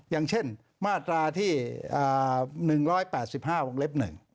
อย่างเช่นมาตราที่๑๘๕วงเล็บ๑